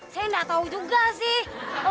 saya gak tau juga sih